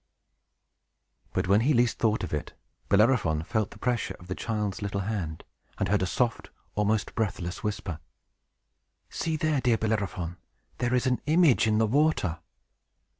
But, when he least thought of it, Bellerophon felt the pressure of the child's little hand, and heard a soft, almost breathless, whisper. "See there, dear Bellerophon! There is an image in the water!"